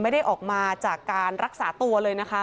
ไม่ได้ออกมาจากการรักษาตัวเลยนะคะ